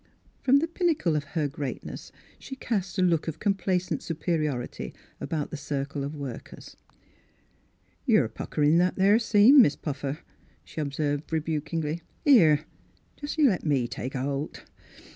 From the pinnacle of her greatness she cast a look of complacent superiority about the circle of workers. " You're a puckerin' that there seam, Mis' Puffer," she observed rebukingly. " Here, you jes' let me take a holt."